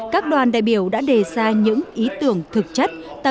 các đoàn đại biểu đã đề ra những ý tưởng thực chất